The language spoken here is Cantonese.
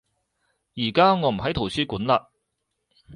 而家我唔喺圖書館嘞